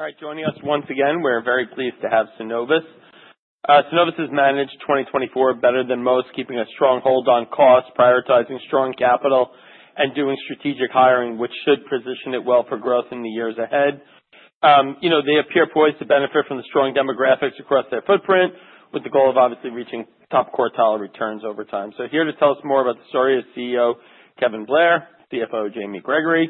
All right. Joining us once again, we're very pleased to have Synovus. Synovus has managed 2024 better than most, keeping a strong hold on cost, prioritizing strong capital, and doing strategic hiring, which should position it well for growth in the years ahead. You know, they appear poised to benefit from the strong demographics across their footprint, with the goal of obviously reaching top quartile returns over time. So here to tell us more about the story is CEO Kevin Blair, CFO Jamie Gregory.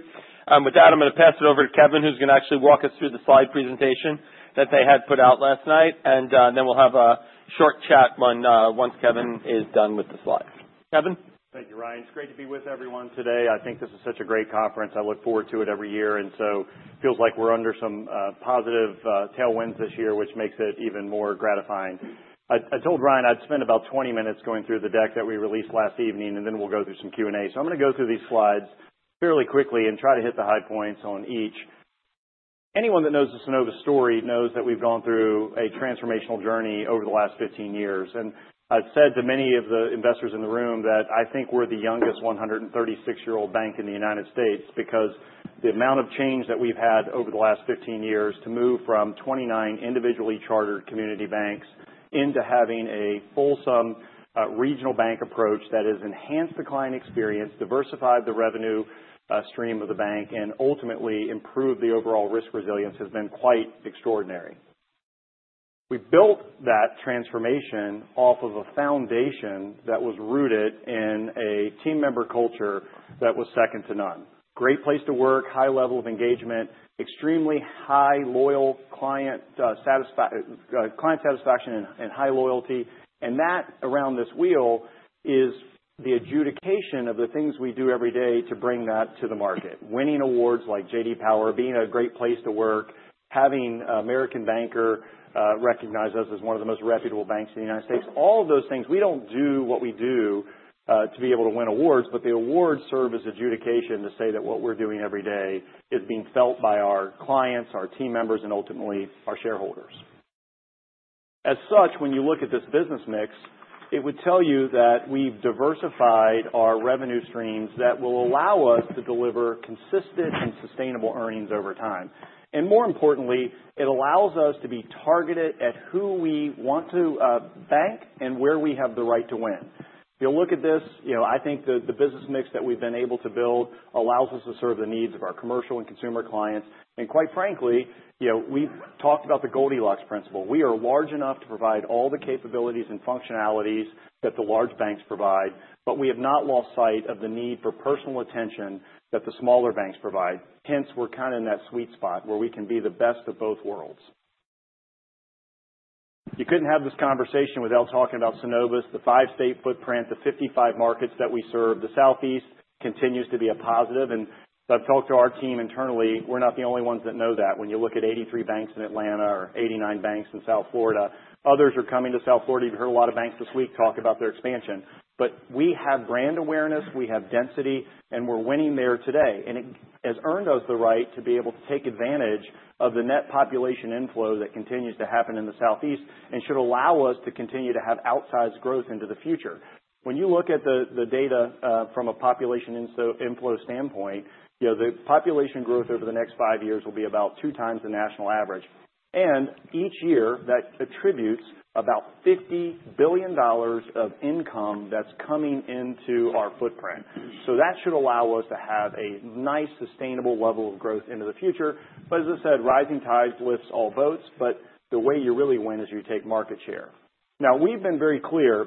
With that, I'm gonna pass it over to Kevin, who's gonna actually walk us through the slide presentation that they had put out last night. And then we'll have a short chat once Kevin is done with the slides. Kevin? Thank you, Ryan. It's great to be with everyone today. I think this is such a great conference. I look forward to it every year. And so it feels like we're under some positive tailwinds this year, which makes it even more gratifying. I told Ryan I'd spend about 20 minutes going through the deck that we released last evening, and then we'll go through some Q&A. So I'm gonna go through these slides fairly quickly and try to hit the high points on each. Anyone that knows the Synovus story knows that we've gone through a transformational journey over the last 15 years. And I've said to many of the investors in the room that I think we're the youngest 136-year-old bank in the United States because the amount of change that we've had over the last 15 years to move from 29 individually chartered community banks into having a fulsome regional bank approach that has enhanced the client experience, diversified the revenue stream of the bank, and ultimately improved the overall risk resilience has been quite extraordinary. We built that transformation off of a foundation that was rooted in a team member culture that was second to none. Great place to work, high level of engagement, extremely high loyal client satisfaction and high loyalty. And that around this wheel is the execution of the things we do every day to bring that to the market. Winning awards like J.D. Power, being a great place to work, having American Banker recognize us as one of the most reputable banks in the United States. All of those things. We don't do what we do, to be able to win awards, but the awards serve as adjudication to say that what we're doing every day is being felt by our clients, our team members, and ultimately our shareholders. As such, when you look at this business mix, it would tell you that we've diversified our revenue streams that will allow us to deliver consistent and sustainable earnings over time, and more importantly, it allows us to be targeted at who we want to bank and where we have the right to win. If you'll look at this, you know, I think the business mix that we've been able to build allows us to serve the needs of our commercial and consumer clients, and quite frankly, you know, we've talked about the Goldilocks principle. We are large enough to provide all the capabilities and functionalities that the large banks provide, but we have not lost sight of the need for personal attention that the smaller banks provide. Hence, we're kinda in that sweet spot where we can be the best of both worlds. You couldn't have this conversation without talking about Synovus, the five-state footprint, the 55 markets that we serve. The Southeast continues to be a positive, and I've talked to our team internally. We're not the only ones that know that. When you look at 83 banks in Atlanta or 89 banks in South Florida, others are coming to South Florida. You've heard a lot of banks this week talk about their expansion. But we have brand awareness. We have density. And we're winning there today. And it has earned us the right to be able to take advantage of the net population inflow that continues to happen in the Southeast and should allow us to continue to have outsized growth into the future. When you look at the data, from a population inflow standpoint, you know, the population growth over the next five years will be about two times the national average. And each year, that attributes about $50 billion of income that's coming into our footprint. So that should allow us to have a nice, sustainable level of growth into the future. But as I said, rising tides lifts all boats, but the way you really win is you take market share. Now, we've been very clear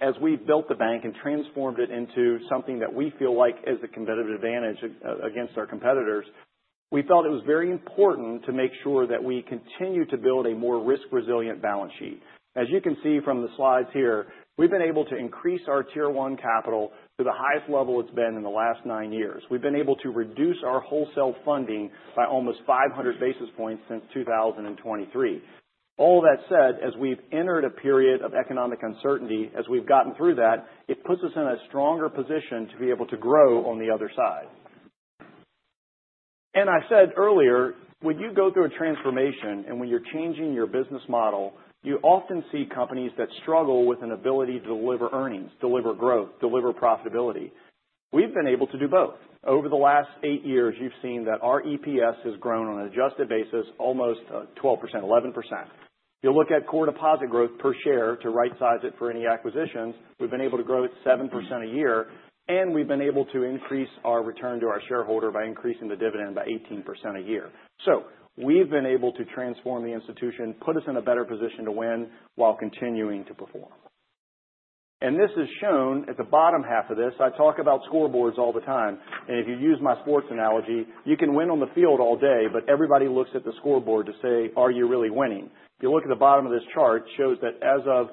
as we've built the bank and transformed it into something that we feel like is a competitive advantage against our competitors. We felt it was very important to make sure that we continue to build a more risk-resilient balance sheet. As you can see from the slides here, we've been able to increase our Tier 1 capital to the highest level it's been in the last nine years. We've been able to reduce our wholesale funding by almost 500 basis points since 2023. All of that said, as we've entered a period of economic uncertainty, as we've gotten through that, it puts us in a stronger position to be able to grow on the other side. I said earlier, when you go through a transformation and when you're changing your business model, you often see companies that struggle with an ability to deliver earnings, deliver growth, deliver profitability. We've been able to do both. Over the last eight years, you've seen that our EPS has grown on an adjusted basis, almost 12%, 11%. You'll look at core deposit growth per share to right-size it for any acquisitions. We've been able to grow at 7% a year. We've been able to increase our return to our shareholder by increasing the dividend by 18% a year. So we've been able to transform the institution, put us in a better position to win while continuing to perform. This is shown at the bottom half of this. I talk about scoreboards all the time. And if you use my sports analogy, you can win on the field all day, but everybody looks at the scoreboard to say, "Are you really winning?" If you look at the bottom of this chart, it shows that as of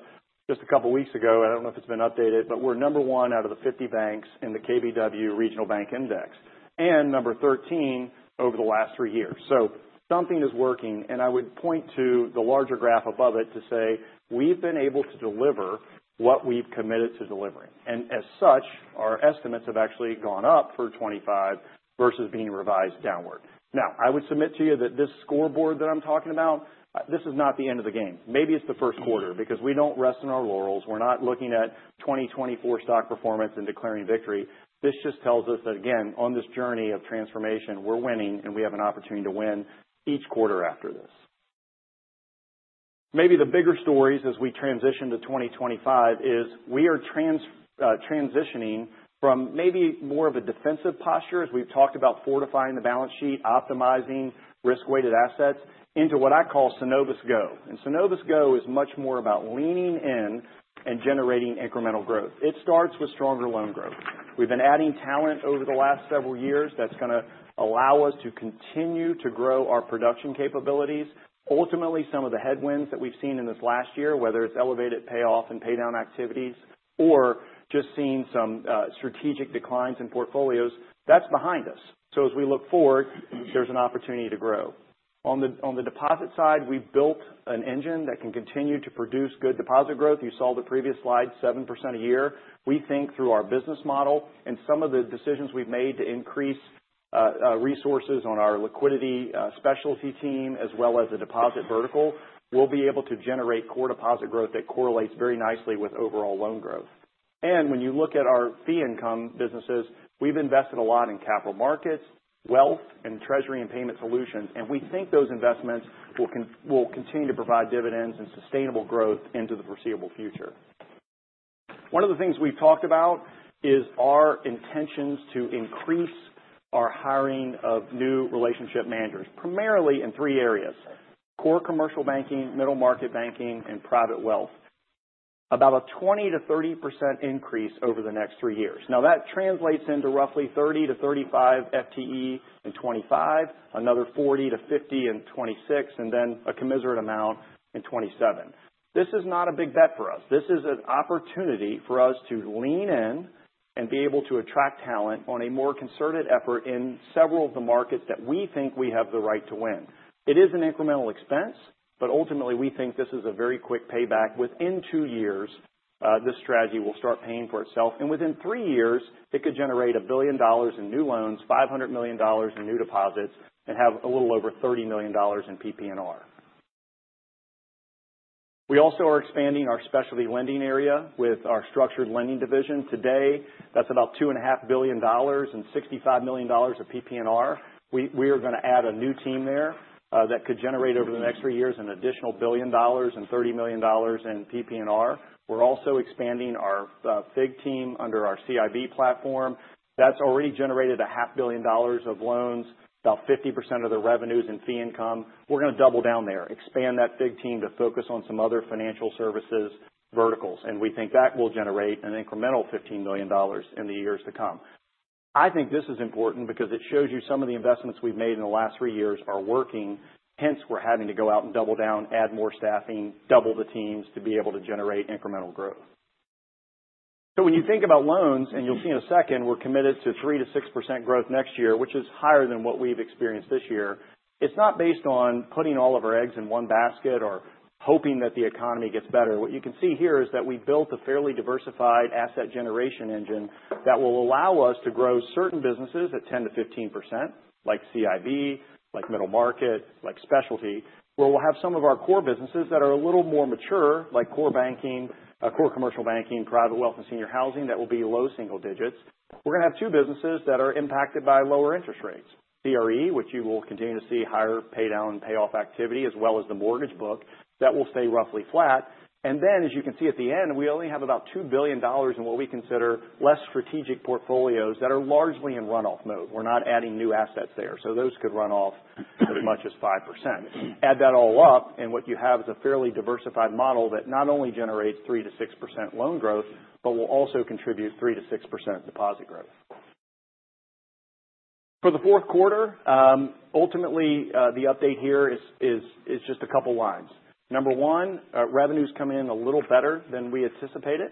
just a couple weeks ago, and I don't know if it's been updated, but we're number one out of the 50 banks in the KBW Regional Bank Index and number 13 over the last three years. So something is working. And I would point to the larger graph above it to say we've been able to deliver what we've committed to delivering. And as such, our estimates have actually gone up for 2025 versus being revised downward. Now, I would submit to you that this scoreboard that I'm talking about, this is not the end of the game. Maybe it's the first quarter because we don't rest on our laurels. We're not looking at 2024 stock performance and declaring victory. This just tells us that, again, on this journey of transformation, we're winning and we have an opportunity to win each quarter after this. Maybe the bigger stories as we transition to 2025 is we are transitioning from maybe more of a defensive posture as we've talked about fortifying the balance sheet, optimizing risk-weighted assets into what I call Synovus Go. And Synovus Go is much more about leaning in and generating incremental growth. It starts with stronger loan growth. We've been adding talent over the last several years that's gonna allow us to continue to grow our production capabilities. Ultimately, some of the headwinds that we've seen in this last year, whether it's elevated payoff and paydown activities or just seeing some strategic declines in portfolios, that's behind us. So as we look forward, there's an opportunity to grow. On the deposit side, we've built an engine that can continue to produce good deposit growth. You saw the previous slide, 7% a year. We think through our business model and some of the decisions we've made to increase resources on our liquidity specialty team as well as the deposit vertical, we'll be able to generate core deposit growth that correlates very nicely with overall loan growth. And when you look at our fee income businesses, we've invested a lot in Capital Markets, Wealth, and Treasury and Payment Solutions. And we think those investments will continue to provide dividends and sustainable growth into the foreseeable future. One of the things we've talked about is our intentions to increase our hiring of new relationship managers, primarily in three areas: Core Commercial Banking, Middle Market Banking, and Private Wealth. About a 20%-30% increase over the next three years. Now, that translates into roughly 30-35 FTE in 2025, another 40-50 in 2026, and then a commensurate amount in 2027. This is not a big bet for us. This is an opportunity for us to lean in and be able to attract talent on a more concerted effort in several of the markets that we think we have the right to win. It is an incremental expense, but ultimately, we think this is a very quick payback. Within two years, this strategy will start paying for itself. And within three years, it could generate a billion dollar in new loans, $500 million in new deposits, and have a little over $30 million in PPNR. We also are expanding our specialty lending area with our Structured Lending division. Today, that's about $2.5 billion and $65 million of PPNR. We are gonna add a new team there, that could generate over the next three years an additional $1 billion and $30 million in PPNR. We're also expanding our FIG team under our CIB platform. That's already generated $500 million of loans, about 50% of the revenues in fee income. We're gonna double down there, expand that FIG team to focus on some other financial services verticals. And we think that will generate an incremental $15 million in the years to come. I think this is important because it shows you some of the investments we've made in the last three years are working. Hence, we're having to go out and double down, add more staffing, double the teams to be able to generate incremental growth, so when you think about loans, and you'll see in a second, we're committed to 3%-6% growth next year, which is higher than what we've experienced this year. It's not based on putting all of our eggs in one basket or hoping that the economy gets better. What you can see here is that we built a fairly diversified asset generation engine that will allow us to grow certain businesses at 10%-15%, like CIB, like Middle Market, like specialty, where we'll have some of our core businesses that are a little more mature, like Core Banking, Core Commercial Banking, Private Wealth, and Senior Housing that will be low single digits. We're gonna have two businesses that are impacted by lower interest rates, CRE, which you will continue to see higher paydown and payoff activity as well as the mortgage book that will stay roughly flat. And then, as you can see at the end, we only have about $2 billion in what we consider less strategic portfolios that are largely in runoff mode. We're not adding new assets there. So those could run off as much as 5%. Add that all up, and what you have is a fairly diversified model that not only generates 3%-6% loan growth, but will also contribute 3%-6% deposit growth. For the fourth quarter, ultimately, the update here is just a couple lines. Number one, revenues come in a little better than we anticipated,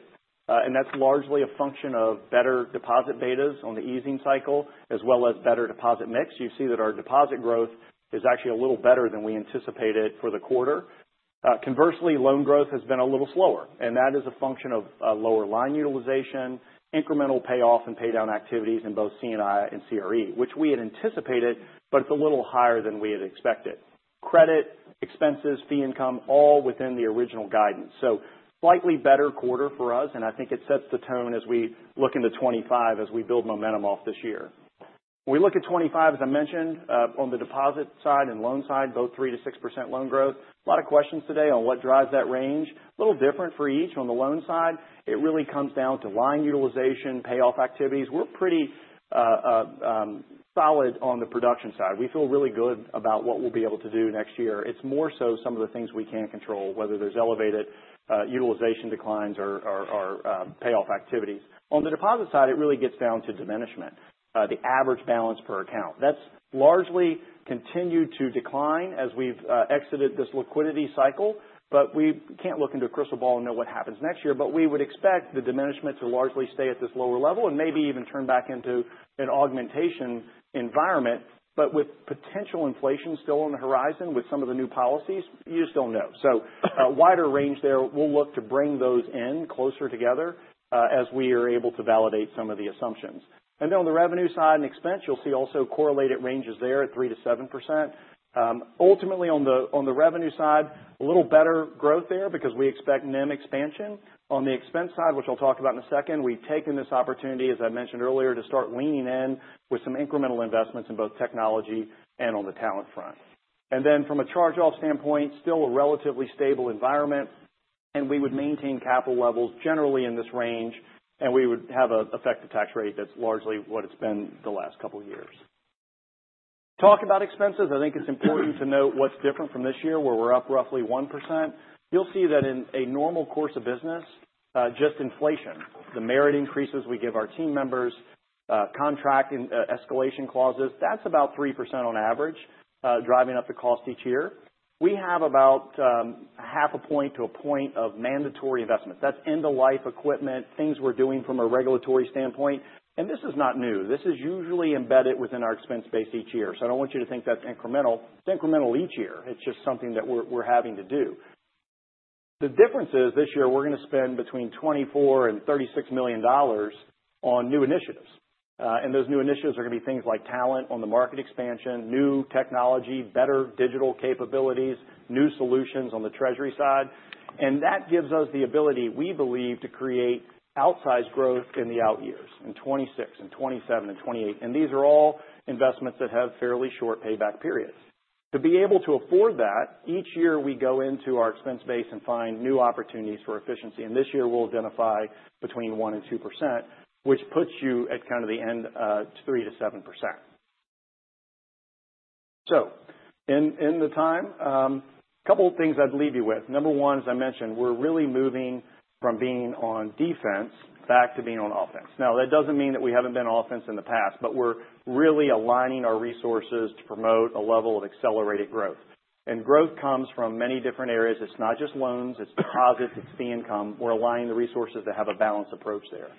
and that's largely a function of better deposit betas on the easing cycle as well as better deposit mix. You see that our deposit growth is actually a little better than we anticipated for the quarter. Conversely, loan growth has been a little slower, and that is a function of lower line utilization, incremental payoff and paydown activities in both C&I and CRE, which we had anticipated, but it's a little higher than we had expected. Credit, expenses, fee income, all within the original guidance. So slightly better quarter for us. And I think it sets the tone as we look into 2025 as we build momentum off this year. When we look at 2025, as I mentioned, on the deposit side and loan side, both 3%-6% loan growth. A lot of questions today on what drives that range. A little different for each on the loan side. It really comes down to line utilization, payoff activities. We're pretty solid on the production side. We feel really good about what we'll be able to do next year. It's more so some of the things we can't control, whether there's elevated utilization declines or payoff activities. On the deposit side, it really gets down to diminishment, the average balance per account. That's largely continued to decline as we've exited this liquidity cycle. But we can't look into a crystal ball and know what happens next year. But we would expect the diminishment to largely stay at this lower level and maybe even turn back into an augmentation environment, but with potential inflation still on the horizon with some of the new policies. You just don't know. So, wider range there. We'll look to bring those in closer together, as we are able to validate some of the assumptions. And then on the revenue side and expense, you'll see also correlated ranges there at 3%-7%. Ultimately, on the revenue side, a little better growth there because we expect NIM expansion. On the expense side, which I'll talk about in a second, we've taken this opportunity, as I mentioned earlier, to start leaning in with some incremental investments in both technology and on the talent front. And then from a charge-off standpoint, still a relatively stable environment. We would maintain capital levels generally in this range. We would have an effective tax rate that's largely what it's been the last couple of years. Talk about expenses. I think it's important to note what's different from this year where we're up roughly 1%. You'll see that in a normal course of business, just inflation, the merit increases we give our team members, contracting, escalation clauses, that's about 3% on average, driving up the cost each year. We have about half a point to a point of mandatory investments. That's end-of-life equipment, things we're doing from a regulatory standpoint. This is not new. This is usually embedded within our expense base each year. I don't want you to think that's incremental. It's incremental each year. It's just something that we're having to do. The difference is this year, we're gonna spend between $24 million-$36 million on new initiatives, and those new initiatives are gonna be things like talent on the market expansion, new technology, better digital capabilities, new solutions on the treasury side. And that gives us the ability, we believe, to create outsized growth in the out years in 2026 and 2027 and 2028. And these are all investments that have fairly short payback periods. To be able to afford that, each year we go into our expense base and find new opportunities for efficiency. And this year, we'll identify between 1%-2%, which puts you at kind of the end, 3%-7%. So in the time, a couple of things I'd leave you with. Number one, as I mentioned, we're really moving from being on defense back to being on offense. Now, that doesn't mean that we haven't been on offense in the past, but we're really aligning our resources to promote a level of accelerated growth. And growth comes from many different areas. It's not just loans. It's deposits. It's fee income. We're aligning the resources to have a balanced approach there.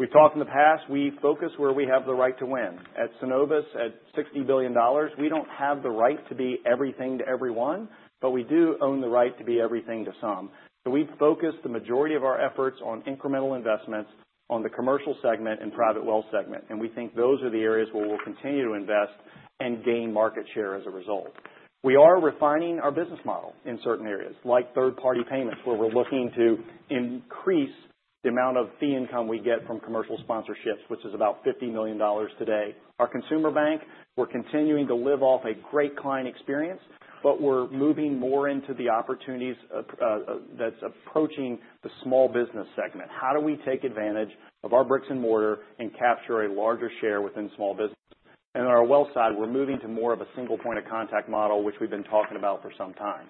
We've talked in the past. We focus where we have the right to win. At Synovus, at $60 billion, we don't have the right to be everything to everyone, but we do own the right to be everything to some. So we've focused the majority of our efforts on incremental investments on the Commercial segment and Private Wealth segment. And we think those are the areas where we'll continue to invest and gain market share as a result. We are refining our business model in certain areas like third-party payments where we're looking to increase the amount of fee income we get from commercial sponsorships, which is about $50 million today. Our consumer bank, we're continuing to live off a great client experience, but we're moving more into the opportunities, that's approaching the small business segment. How do we take advantage of our bricks and mortar and capture a larger share within small business? And on our Wealth side, we're moving to more of a single point of contact model, which we've been talking about for some time.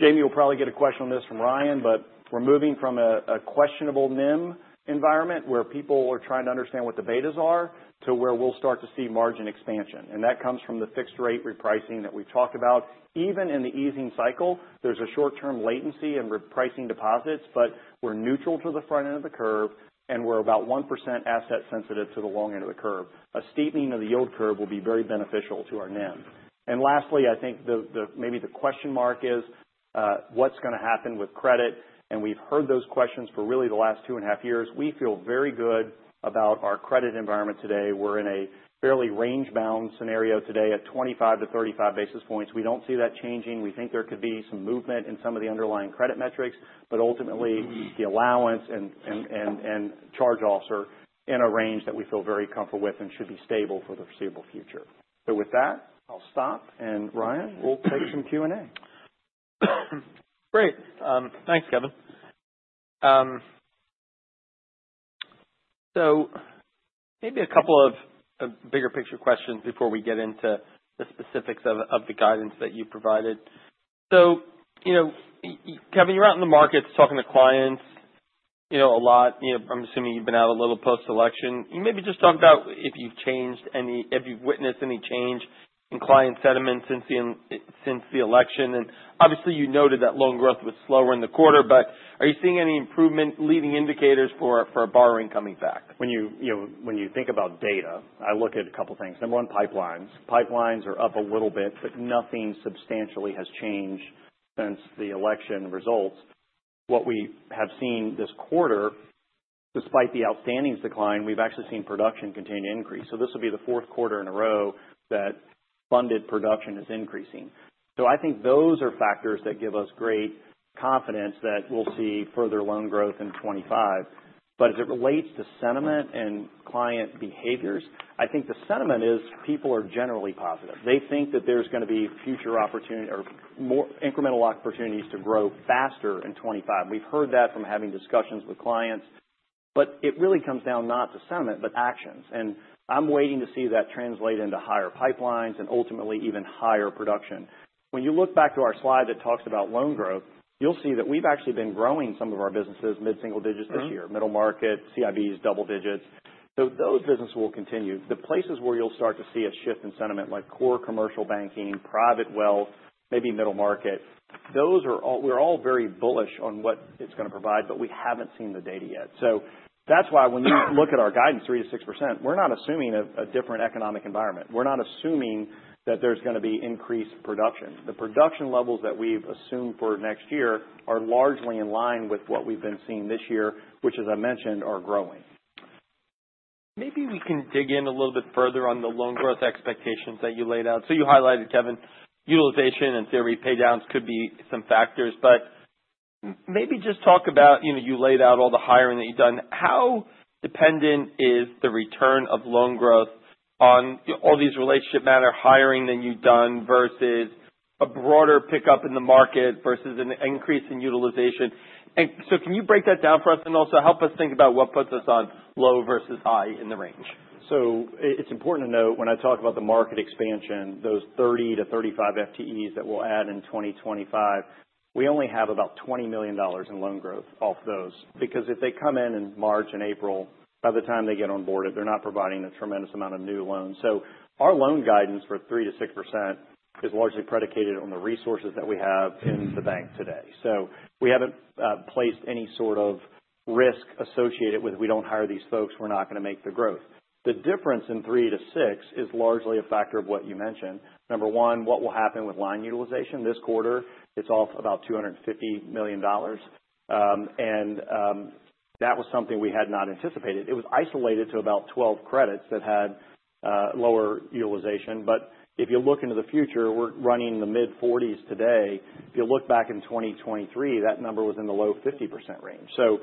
Jamie will probably get a question on this from Ryan, but we're moving from a, a questionable NIM environment where people are trying to understand what the betas are to where we'll start to see margin expansion, and that comes from the fixed-rate repricing that we've talked about. Even in the easing cycle, there's a short-term latency in repricing deposits, but we're neutral to the front end of the curve, and we're about 1% asset-sensitive to the long end of the curve. A steepening of the yield curve will be very beneficial to our NIM. And lastly, I think the question mark is, what's gonna happen with credit? And we've heard those questions for really the last two and a half years. We feel very good about our credit environment today. We're in a fairly range-bound scenario today at 25-35 basis points. We don't see that changing. We think there could be some movement in some of the underlying credit metrics, but ultimately, the allowance and charge-offs are in a range that we feel very comfortable with and should be stable for the foreseeable future, so with that, I'll stop. And Ryan, we'll take some Q&A. Great. Thanks, Kevin, so maybe a couple of bigger picture questions before we get into the specifics of the guidance that you provided. So, you know, Kevin, you're out in the markets talking to clients, you know, a lot. You know, I'm assuming you've been out a little post-election. You maybe just talk about if you've changed any, if you've witnessed any change in client sentiment since the election. And obviously, you noted that loan growth was slower in the quarter, but are you seeing any improvement, leading indicators for borrowing coming back? When you, you know, when you think about data, I look at a couple things. Number one, pipelines. Pipelines are up a little bit, but nothing substantially has changed since the election results. What we have seen this quarter, despite the outstandings decline, we've actually seen production continue to increase, so this will be the fourth quarter in a row that funded production is increasing, so I think those are factors that give us great confidence that we'll see further loan growth in 2025, but as it relates to sentiment and client behaviors, I think the sentiment is people are generally positive. They think that there's gonna be future opportunity or more incremental opportunities to grow faster in 2025. We've heard that from having discussions with clients, but it really comes down not to sentiment, but actions, and I'm waiting to see that translate into higher pipelines and ultimately even higher production. When you look back to our slide that talks about loan growth, you'll see that we've actually been growing some of our businesses mid-single digits this year, Middle Market, CIB's, double digits. So those businesses will continue. The places where you'll start to see a shift in sentiment, like Core Commercial Banking, Private Wealth, maybe Middle Market, those are all we're all very bullish on what it's gonna provide, but we haven't seen the data yet. So that's why when you look at our guidance, 3%-6%, we're not assuming a different economic environment. We're not assuming that there's gonna be increased production. The production levels that we've assumed for next year are largely in line with what we've been seeing this year, which, as I mentioned, are growing. Maybe we can dig in a little bit further on the loan growth expectations that you laid out. So you highlighted, Kevin, utilization and theoretical paydowns could be some factors. But maybe just talk about, you know, you laid out all the hiring that you've done. How dependent is the return of loan growth on all these relationship manager hiring that you've done versus a broader pickup in the market versus an increase in utilization? And so can you break that down for us and also help us think about what puts us on low versus high in the range? So it's important to note when I talk about the market expansion, those 30-35 FTEs that we'll add in 2025, we only have about $20 million in loan growth off those because if they come in in March and April, by the time they get on board, they're not providing a tremendous amount of new loans. So our loan guidance for 3%-6% is largely predicated on the resources that we have in the bank today. So we haven't placed any sort of risk associated with we don't hire these folks, we're not gonna make the growth. The difference in 3%-6% is largely a factor of what you mentioned. Number one, what will happen with line utilization this quarter? It's off about $250 million, and that was something we had not anticipated. It was isolated to about 12 credits that had lower utilization. But if you look into the future, we're running the mid-40s today. If you look back in 2023, that number was in the low 50% range. So,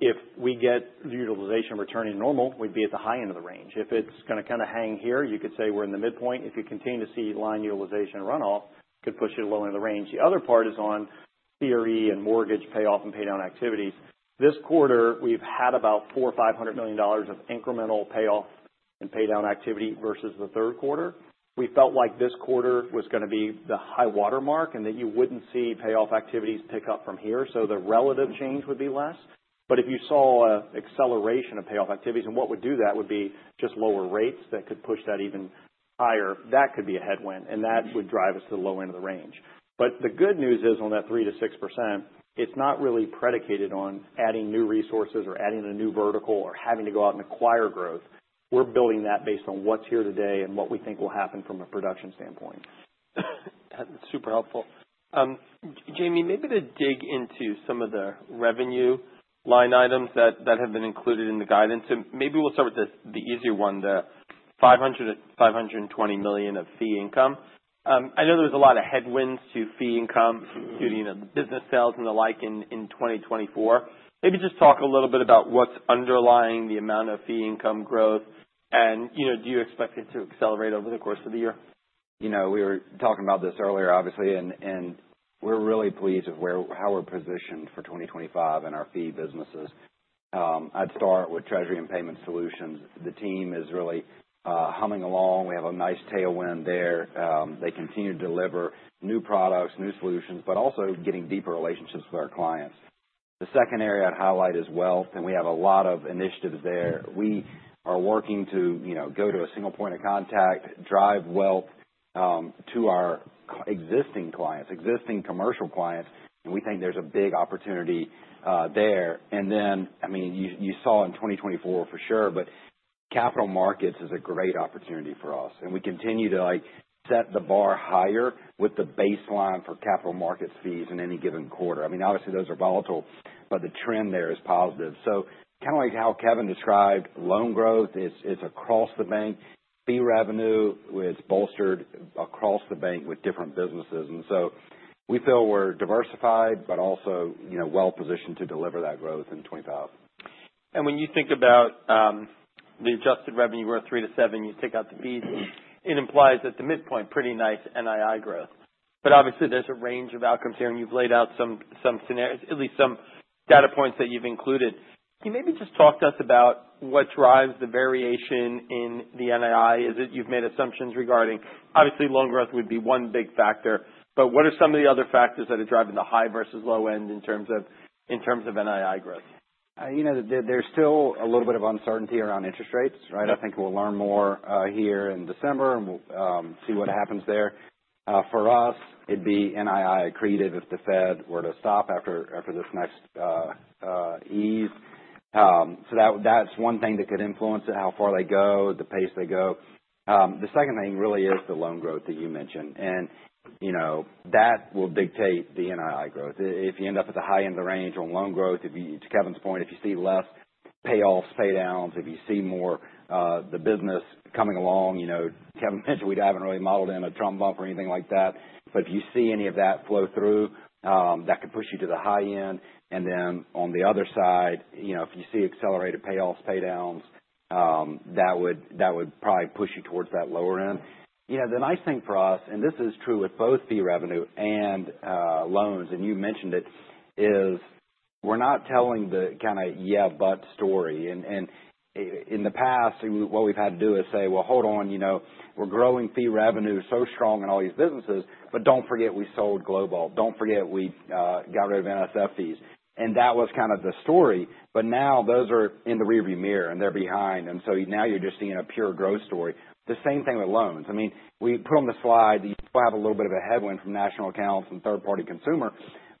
if we get the utilization returning normal, we'd be at the high end of the range. If it's gonna kinda hang here, you could say we're in the midpoint. If you continue to see line utilization runoff, it could push it low in the range. The other part is on CRE and mortgage payoff and paydown activities. This quarter, we've had about $4.5 billion of incremental payoff and paydown activity versus the third quarter. We felt like this quarter was gonna be the high watermark and that you wouldn't see payoff activities pick up from here. So the relative change would be less. But if you saw an acceleration of payoff activities, and what would do that would be just lower rates that could push that even higher, that could be a headwind. And that would drive us to the low end of the range. But the good news is on that 3%-6%, it's not really predicated on adding new resources or adding a new vertical or having to go out and acquire growth. We're building that based on what's here today and what we think will happen from a production standpoint. That's super helpful. Jamie, maybe to dig into some of the revenue line items that have been included in the guidance. And maybe we'll start with the easier one, the $500 million-$520 million of fee income. I know there was a lot of headwinds to fee income due to, you know, the business sales and the like in 2024. Maybe just talk a little bit about what's underlying the amount of fee income growth. And, you know, do you expect it to accelerate over the course of the year? You know, we were talking about this earlier, obviously, and we're really pleased with how we're positioned for 2025 and our fee businesses. I'd start with Treasury and Payment Solutions. The team is really humming along. We have a nice tailwind there. They continue to deliver new products, new solutions, but also getting deeper relationships with our clients. The second area I'd highlight is Wealth, and we have a lot of initiatives there. We are working to, you know, go to a single point of contact, drive Wealth, to our existing clients, existing commercial clients. And we think there's a big opportunity, there. And then, I mean, you saw in 2024 for sure, but Capital Markets is a great opportunity for us. And we continue to, like, set the bar higher with the baseline for Capital Markets fees in any given quarter. I mean, obviously, those are volatile, but the trend there is positive. So kinda like how Kevin described loan growth, it's across the bank. Fee revenue, it's bolstered across the bank with different businesses. And so we feel we're diversified, but also, you know, well-positioned to deliver that growth in 2025. And when you think about the adjusted revenue growth, 3%-7%, you take out the fees, it implies at the midpoint pretty nice NII growth. But obviously, there's a range of outcomes here, and you've laid out some scenarios, at least some data points that you've included. Can you maybe just talk to us about what drives the variation in the NII? Is it you've made assumptions regarding, obviously, loan growth would be one big factor, but what are some of the other factors that are driving the high versus low end in terms of NII growth? You know, there's still a little bit of uncertainty around interest rates, right? I think we'll learn more here in December, and we'll see what happens there. For us, it'd be NII accretive if the Fed were to stop after this next ease. So that's one thing that could influence it, how far they go, the pace they go. The second thing really is the loan growth that you mentioned. And you know, that will dictate the NII growth. If you end up at the high end of the range on loan growth, if you, to Kevin's point, if you see less payoffs, paydowns, if you see more, the business coming along, you know, Kevin mentioned we haven't really modeled in a Trump bump or anything like that. But if you see any of that flow through, that could push you to the high end. And then on the other side, you know, if you see accelerated payoffs, paydowns, that would probably push you towards that lower end. You know, the nice thing for us, and this is true with both fee revenue and loans, and you mentioned it, is we're not telling the kinda yeah, but story. And in the past, what we've had to do is say, well, hold on, you know, we're growing fee revenue so strong in all these businesses, but don't forget we sold GLOBALT. Don't forget we got rid of NSF fees. And that was kinda the story. But now those are in the rearview mirror, and they're behind. And so now you're just seeing a pure growth story. The same thing with loans. I mean, we put on the slide that you still have a little bit of a headwind from national accounts and third-party consumer,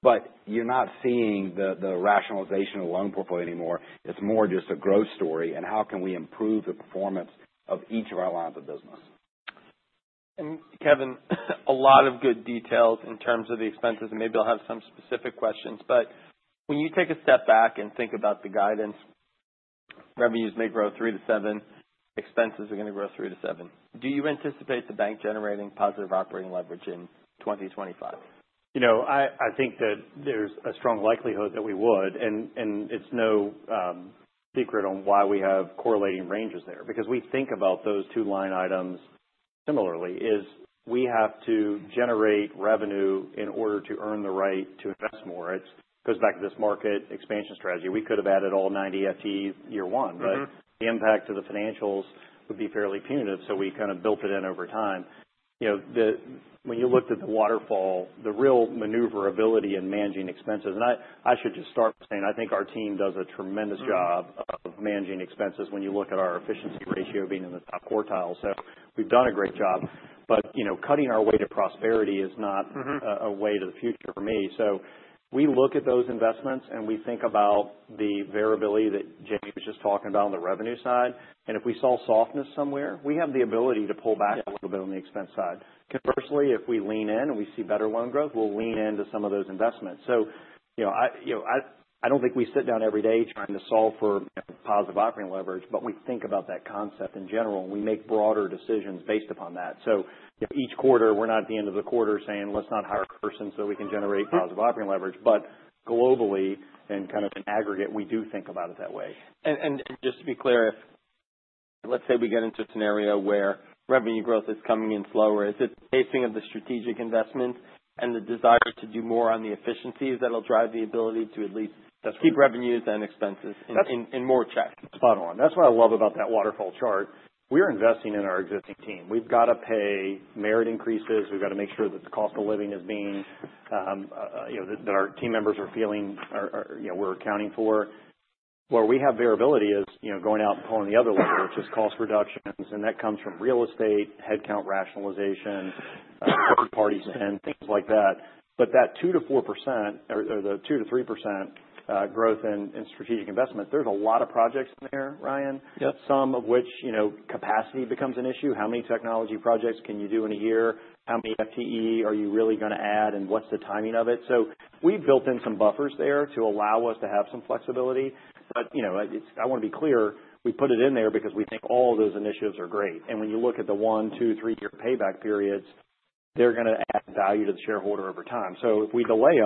but you're not seeing the rationalization of the loan portfolio anymore. It's more just a growth story and how can we improve the performance of each of our lines of business. And Kevin, a lot of good details in terms of the expenses. And maybe I'll have some specific questions. But when you take a step back and think about the guidance, revenues may grow 3%-7%, expenses are gonna grow 3%-7%. Do you anticipate the bank generating positive operating leverage in 2025? You know, I think that there's a strong likelihood that we would. And it's no secret on why we have correlating ranges there because we think about those two line items similarly. As we have to generate revenue in order to earn the right to invest more. It goes back to this market expansion strategy. We could have added all 90 FTEs year one, but the impact to the financials would be fairly punitive. So we kinda built it in over time. You know, when you looked at the waterfall, the real maneuverability in managing expenses, and I should just start by saying I think our team does a tremendous job of managing expenses when you look at our efficiency ratio being in the top quartile. So we've done a great job. But, you know, cutting our way to prosperity is not a way to the future for me. So we look at those investments, and we think about the variability that Jamie was just talking about on the revenue side. And if we saw softness somewhere, we have the ability to pull back a little bit on the expense side. Conversely, if we lean in and we see better loan growth, we'll lean into some of those investments. So, you know, I don't think we sit down every day trying to solve for, you know, positive operating leverage, but we think about that concept in general, and we make broader decisions based upon that. So, you know, each quarter, we're not at the end of the quarter saying, let's not hire a person so we can generate positive operating leverage. But globally, and kind of in aggregate, we do think about it that way. Just to be clear, if, let's say, we get into a scenario where revenue growth is coming in slower, is it the pacing of the strategic investments and the desire to do more on the efficiencies that'll drive the ability to at least keep revenues and expenses in more check? Spot on. That's what I love about that waterfall chart. We're investing in our existing team. We've gotta pay merit increases. We've gotta make sure that the cost of living is being, you know, that our team members are feeling, you know, we're accounting for. Where we have variability is, you know, going out and pulling the other lever, which is cost reductions. And that comes from real estate, headcount rationalization, third-party spend, things like that. But that 2%-4% or the 2%-3% growth in strategic investment, there's a lot of projects in there, Ryan. Yep. Some of which, you know, capacity becomes an issue. How many technology projects can you do in a year? How many FTE are you really gonna add, and what's the timing of it? So we've built in some buffers there to allow us to have some flexibility. But, you know, it's, I wanna be clear, we put it in there because we think all of those initiatives are great. And when you look at the one-, two-, three-year payback periods, they're gonna add value to the shareholder over time. So if we delay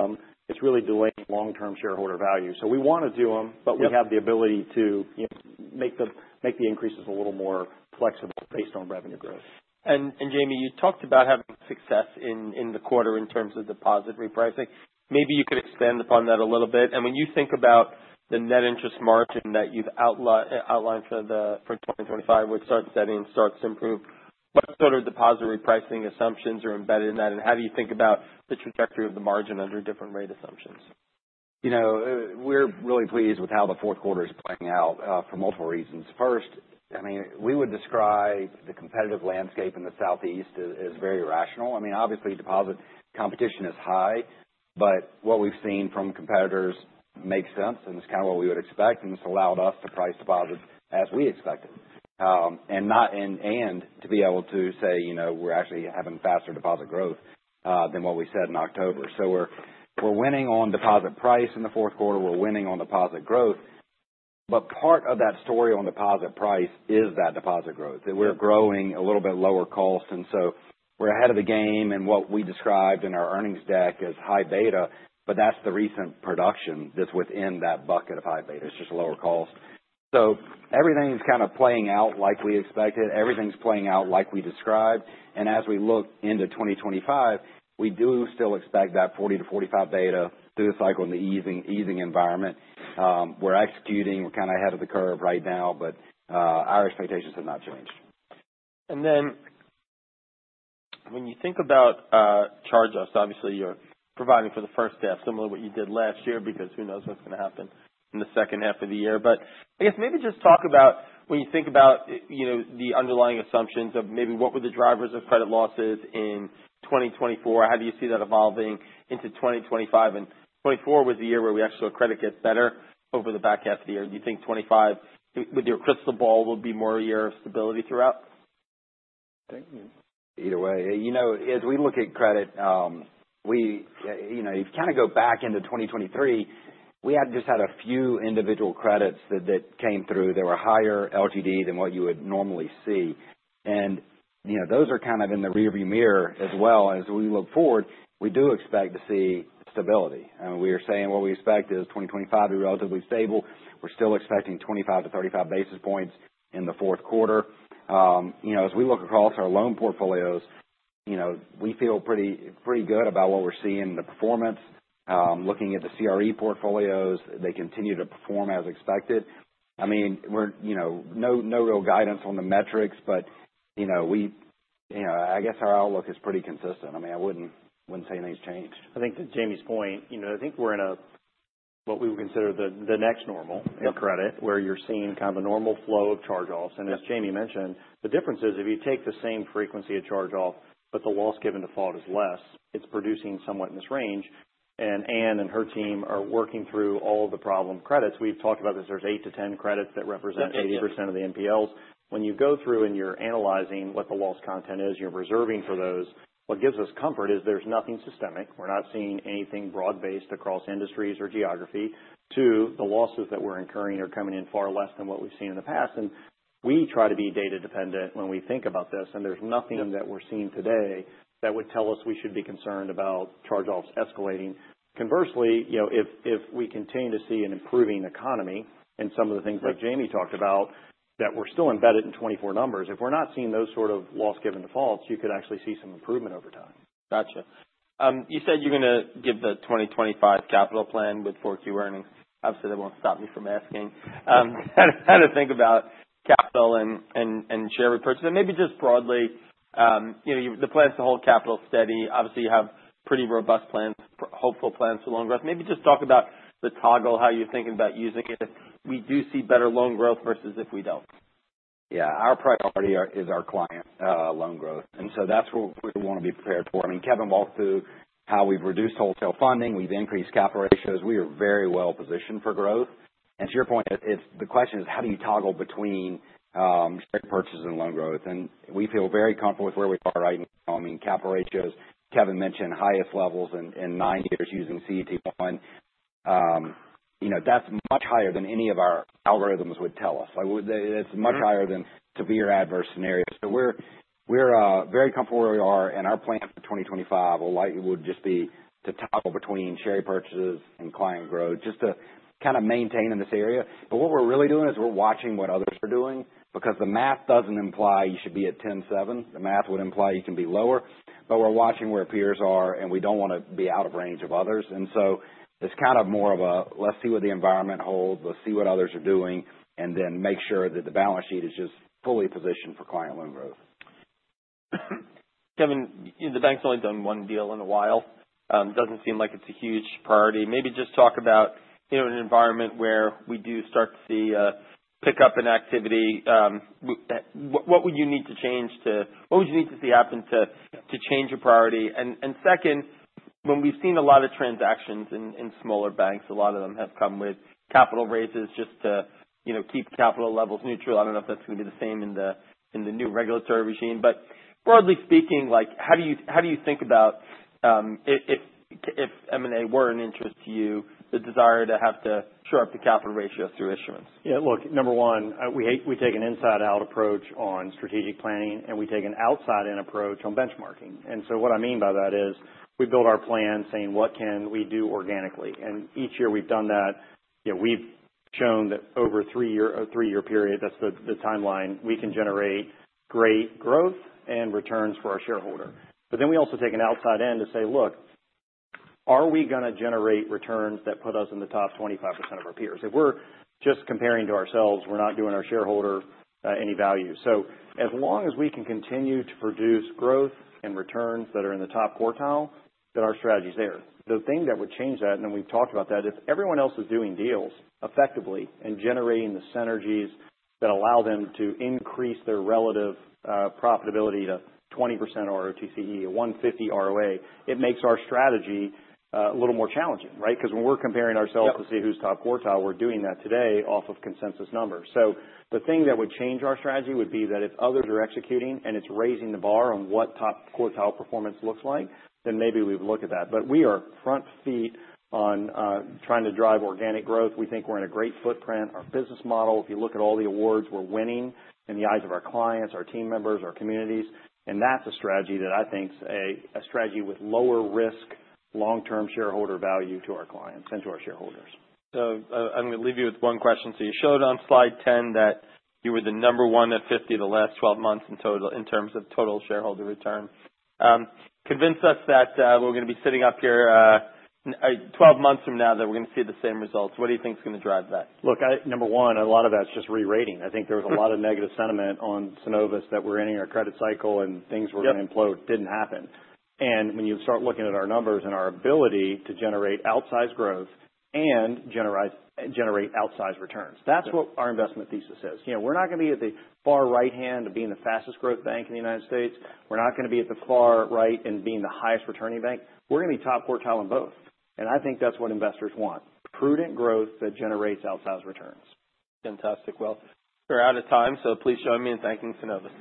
them, it's really delaying long-term shareholder value. So we wanna do them, but we have the ability to, you know, make the increases a little more flexible based on revenue growth. And Jamie, you talked about having success in the quarter in terms of deposit repricing. Maybe you could expand upon that a little bit. And when you think about the net interest margin that you've outlined for 2025, which starts setting and starts to improve, what sort of deposit repricing assumptions are embedded in that? And how do you think about the trajectory of the margin under different rate assumptions? You know, we're really pleased with how the fourth quarter is playing out, for multiple reasons. First, I mean, we would describe the competitive landscape in the Southeast as very rational. I mean, obviously, deposit competition is high, but what we've seen from competitors makes sense, and it's kinda what we would expect. And this allowed us to price deposits as we expected, and not in, and to be able to say, you know, we're actually having faster deposit growth than what we said in October. So we're winning on deposit price in the fourth quarter. We're winning on deposit growth. But part of that story on deposit price is that deposit growth. We're growing a little bit lower cost. And so we're ahead of the game in what we described in our earnings deck as high beta, but that's the recent production that's within that bucket of high beta. It's just lower cost. So everything's kinda playing out like we expected. Everything's playing out like we described. And as we look into 2025, we do still expect that 40-45 beta through the cycle in the easing environment. We're executing. We're kinda ahead of the curve right now, but our expectations have not changed. And then when you think about charge-offs, obviously, you're providing for the first half, similar to what you did last year because who knows what's gonna happen in the second half of the year. But I guess maybe just talk about when you think about, you know, the underlying assumptions of maybe what were the drivers of credit losses in 2024. How do you see that evolving into 2025? And 2024 was the year where we actually saw credit get better over the back half of the year. Do you think 2025, with your crystal ball, will be more a year of stability throughout? Either way. You know, as we look at credit, we, you know, if you kinda go back into 2023, we had just had a few individual credits that came through that were higher LGD than what you would normally see. And, you know, those are kind of in the rearview mirror as well. As we look forward, we do expect to see stability. And we are saying what we expect is 2025 to be relatively stable. We're still expecting 25-35 basis points in the fourth quarter. You know, as we look across our loan portfolios, you know, we feel pretty good about what we're seeing in the performance. Looking at the CRE portfolios, they continue to perform as expected. I mean, we're, you know, no real guidance on the metrics, but, you know, we, you know, I guess our outlook is pretty consistent. I mean, I wouldn't say anything's changed. I think to Jamie's point, you know, I think we're in what we would consider the next normal in credit where you're seeing kinda the normal flow of charge offs. And as Jamie mentioned, the difference is if you take the same frequency of charge off, but the loss given default is less, it's producing somewhat in this range. And Anne and her team are working through all of the problem credits. We've talked about this. There's 8-10 credits that represent 80% of the NPLs. When you go through and you're analyzing what the loss content is, you're reserving for those. What gives us comfort is there's nothing systemic. We're not seeing anything broad-based across industries or geography. Two, the losses that we're incurring are coming in far less than what we've seen in the past. We try to be data dependent when we think about this. And there's nothing that we're seeing today that would tell us we should be concerned about charge offs escalating. Conversely, you know, if we continue to see an improving economy and some of the things like Jamie talked about that we're still embedded in 24 numbers, if we're not seeing those sort of loss given defaults, you could actually see some improvement over time. Gotcha. You said you're gonna give the 2025 capital plan with 4Q earnings. Obviously, that won't stop me from asking, how to think about capital and share repurchase. And maybe just broadly, you know, the plan is to hold capital steady. Obviously, you have pretty robust plans, hopeful plans for loan growth. Maybe just talk about the toggle, how you're thinking about using it if we do see better loan growth versus if we don't. Yeah. Our priority is our client loan growth. And so that's what we wanna be prepared for. I mean, Kevin, walk through how we've reduced wholesale funding. We've increased capital ratios. We are very well positioned for growth. And to your point, it's the question is how do you toggle between share purchases and loan growth? And we feel very comfortable with where we are right now. I mean, capital ratios, Kevin mentioned highest levels in nine years using CET1. You know, that's much higher than any of our algorithms would tell us. Like, it's much higher than severe adverse scenarios. So we're very comfortable where we are. And our plan for 2025 will likely just be to toggle between share purchases and client growth just to kinda maintain in this area. But what we're really doing is we're watching what others are doing because the math doesn't imply you should be at 10.7. The math would imply you can be lower. But we're watching where peers are, and we don't wanna be out of range of others. And so it's kind of more of a, let's see what the environment holds. Let's see what others are doing, and then make sure that the balance sheet is just fully positioned for client loan growth. Kevin, the bank's only done one deal in a while. Doesn't seem like it's a huge priority. Maybe just talk about, you know, an environment where we do start to see a pickup in activity. What would you need to see happen to change your priority? And second, when we've seen a lot of transactions in smaller banks, a lot of them have come with capital raises just to, you know, keep capital levels neutral. I don't know if that's gonna be the same in the new regulatory regime. But broadly speaking, like, how do you think about, if M&A were an interest to you, the desire to have to shore up the capital ratio through issuance? Yeah. Look, number one, we take an inside-out approach on strategic planning, and we take an outside-in approach on benchmarking. And so what I mean by that is we build our plan saying what can we do organically. And each year we've done that. You know, we've shown that over a three-year period, that's the timeline, we can generate great growth and returns for our shareholder. But then we also take an outside-in to say, look, are we gonna generate returns that put us in the top 25% of our peers? If we're just comparing to ourselves, we're not doing our shareholder any value. So as long as we can continue to produce growth and returns that are in the top quartile, then our strategy's there. The thing that would change that, and then we've talked about that, if everyone else is doing deals effectively and generating the synergies that allow them to increase their relative profitability to 20% ROTCE, a 1.50 ROA, it makes our strategy a little more challenging, right? Because when we're comparing ourselves to see who's top quartile, we're doing that today off of consensus numbers. The thing that would change our strategy would be that if others are executing and it's raising the bar on what top quartile performance looks like, then maybe we would look at that. But we are front-footed on, trying to drive organic growth. We think we're in a great footprint. Our business model, if you look at all the awards, we're winning in the eyes of our clients, our team members, our communities. That's a strategy that I think's a strategy with lower risk, long-term shareholder value to our clients and to our shareholders. I'm gonna leave you with one question. You showed on Slide 10 that you were the number one at 50 the last 12 months in total, in terms of total shareholder return. Convince us that we're gonna be sitting up here 12 months from now that we're gonna see the same results. What do you think's gonna drive that? Look, I number one, a lot of that's just re-rating. I think there was a lot of negative sentiment on Synovus that we're ending our credit cycle and things were gonna implode. Didn't happen. And when you start looking at our numbers and our ability to generate outsized growth and generate, generate outsized returns, that's what our investment thesis is. You know, we're not gonna be at the far right hand of being the fastest growth bank in the United States. We're not gonna be at the far right and being the highest returning bank. We're gonna be top quartile in both. And I think that's what investors want: prudent growth that generates outsized returns. Fantastic. We're out of time, so please join me in thanking Synovus.